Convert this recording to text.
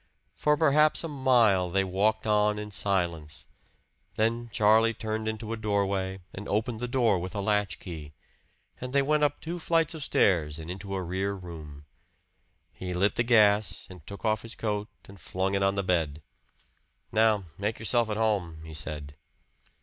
For perhaps a mile they walked on in silence, then Charlie turned into a doorway and opened the door with a latch key, and they went up two flights of stairs and into a rear room. He lit the gas, and took off his coat and flung it on the bed. "Now, make yourself at home," he said.